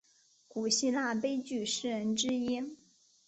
古希腊悲剧诗人之一。